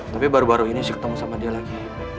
tapi baru baru ini saya ketemu sama dia lagi